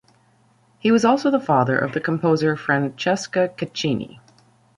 He was also the father of the composer Francesca Caccini.